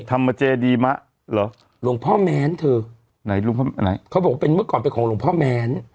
ธรรมเจดีมะเหรอหลวงพ่อแม้นเธอไหนหลวงพ่อไหนเขาบอกว่าเป็นเมื่อก่อนเป็นของหลวงพ่อแม้น